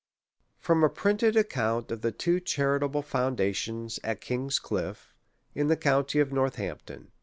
From a printed Account of the two charitable Foun dations at King's Cliffe, in the County of North ampton.